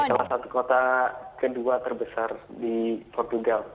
salah satu kota kedua terbesar di portugal